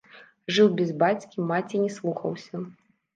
Жыў без бацькі, маці не слухаўся.